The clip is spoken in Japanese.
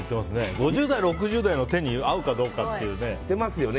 ５０代、６０代の手に合うかどうかってね。